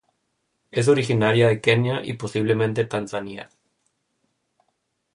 Es originaria de Kenia y posiblemente Tanzania.